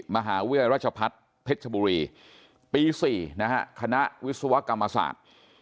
มหาวิทยารัชพัฒน์เพชรชบุรีปี๔นะฮะคณะวิศวกรรมศาสตร์